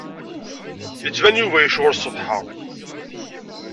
Yettban Yuba yecɣel ṣṣbeḥ-a.